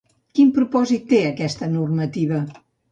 Quin propòsit té aquesta normativa?